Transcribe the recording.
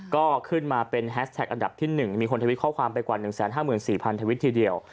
ก็ขึ้นมาเป็นแฮสแท็กอันดับที่๑มีคนทวิตข้อความไปกว่า๑๕๔๐๐ทวิตทีเดียว